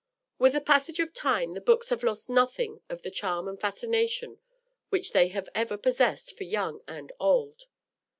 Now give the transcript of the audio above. With the passage of time the books have lost nothing of the charm and fascination which they have ever possessed for young and old.